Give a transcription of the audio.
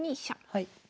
はい。